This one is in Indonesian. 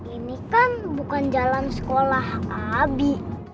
ini kan bukan jalan sekolah abi